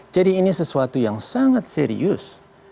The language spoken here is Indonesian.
jadi ini sesuatu yang sangat serius